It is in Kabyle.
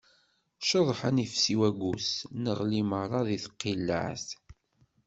Ceṭḥen ifessi waggus, neγli meṛṛa di tqileԑt.